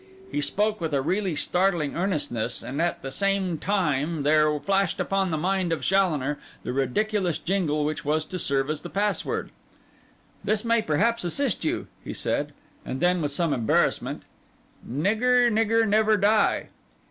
He spoke with a really startling earnestness; and at the same time there flashed upon the mind of Challoner the ridiculous jingle which was to serve as password. 'This may, perhaps, assist you,' he said, and then, with some embarrassment, '"Nigger, nigger, never die."